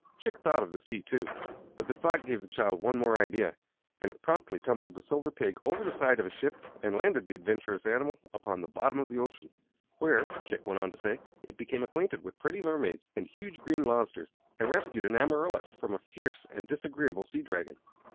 Chick thought of the sea, too, but the thought gave the child one more idea, and it promptly tumbled the Silver Pig over the side of a ship and landed the adventurous animal upon the bottom of the ocean, where (Chick went on to say) it became acquainted with pretty mermaids and huge green lobsters, and rescued an amarylis from a fierce and disagreeable sea dragon.